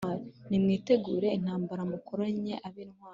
Nimwitegure intambara! Mukoranye ab’intwari!